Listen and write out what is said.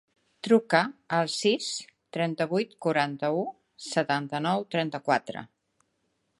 Truca al sis, trenta-vuit, quaranta-u, setanta-nou, trenta-quatre.